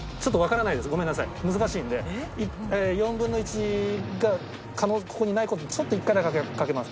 難しいんで４分の１がここにない事ちょっと１回だけ賭けます。